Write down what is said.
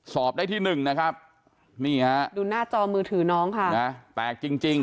สอบได้ที่หนึ่งนะครับนี่ฮะดูหน้าจอมือถือน้องค่ะนะแตกจริงจริง